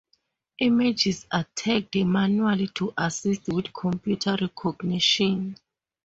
Images are tagged manually to assist with computer recognition.